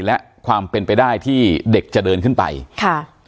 และความเป็นไปได้ที่เด็กจะเดินขึ้นไปค่ะ